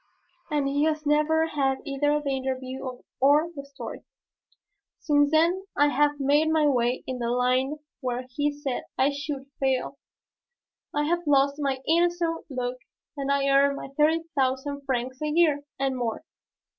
And he has never had either the interview or the story. Since then I have made my way in the line where he said I should fail. I have lost my innocent look and I earn my thirty thousand francs a year, and more.